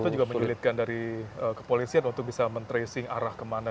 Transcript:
itu juga menyulitkan dari kepolisian untuk bisa men tracing arah kemana